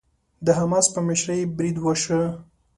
د حماس په مشرۍ بريد وشو.